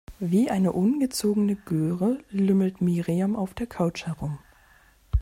Wie eine ungezogene Göre lümmelt Miriam auf der Couch herum.